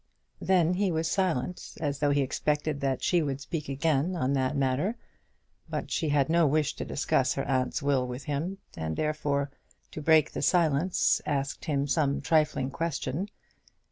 Then he was silent, as though he expected that she would speak again on that matter. But she had no wish to discuss her aunt's will with him, and therefore, to break the silence, asked him some trifling question.